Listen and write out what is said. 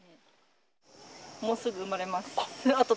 もうすぐ産まれます。